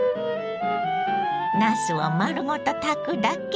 なすを丸ごと炊くだけ。